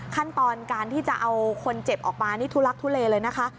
ขั้นตอนการที่จะเอาคนเจ็บออกมานี่ทุลักทุเลเลยนะคะ